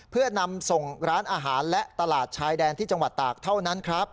เพื่อนำส่งร้านอาหารและตลาดชายแดนที่จังหวัดตากเท่านั้นครับ